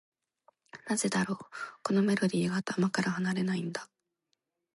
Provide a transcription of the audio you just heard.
なぜだろう、このメロディーが頭から離れないんだ。